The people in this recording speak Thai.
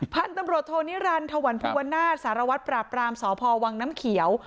พันธุ์ตำรวจโทนิรันดิถวันภูวนาศสารวัตรปราบรามสพวังน้ำเขียว